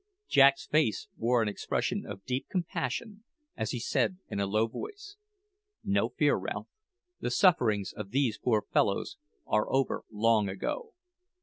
Jack's face wore an expression of deep compassion as he said in a low voice, "No fear, Ralph; the sufferings of these poor fellows are over long ago."